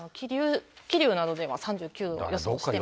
桐生などでは３９度を予想してます。